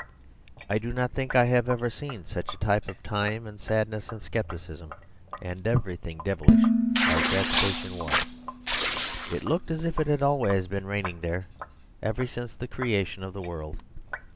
I do not think I have ever seen such a type of time and sadness and scepticism and everything devilish as that station was: it looked as if it had always been raining there ever since the creation of the world.